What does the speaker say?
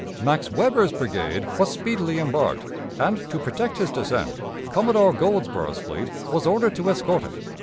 Max Weber's brigade was speedily embarked, and, to protect his descent, Commodore Goldsborough's fleet was ordered to escort it.